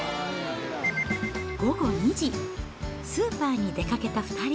午後２時、スーパーに出かけた２人。